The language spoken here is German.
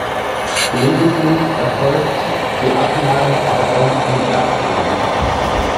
Gelegentlich erfolgt die Ablage aber auch im Erdboden.